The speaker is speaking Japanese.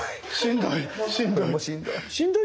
しんどい！